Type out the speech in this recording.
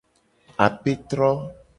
Apetro.